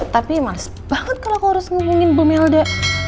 tapi malis banget kalau aku harus hubungin bu melda